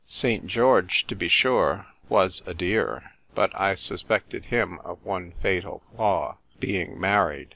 St. George, to be sure, was a dear : but I suspected him of one fatal flaw — being married.